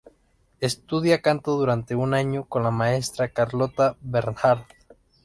Estudia canto durante un año con la Maestra Carlota Bernhard.